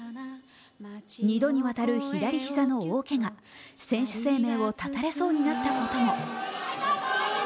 ２度にわたる左膝の大けが選手生命を絶たれそうになったことも。